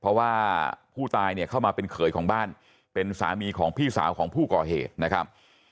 เพราะว่าผู้ตายเนี่ยเข้ามาเป็นเขยของบ้านเป็นสามีของพี่สาวของผู้ก่อเหตุนะครับ